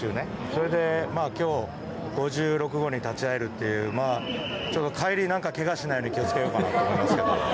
それで今日５６号に立ち会えるって帰り、何かけがしないように気を付けようと思います。